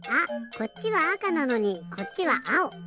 こっちはあかなのにこっちはあお！